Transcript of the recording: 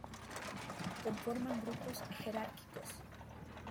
Conforman grupos jerárquicos.